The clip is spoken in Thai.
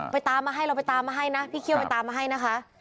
ตามมาให้เราไปตามมาให้นะพี่เคี่ยวไปตามมาให้นะคะ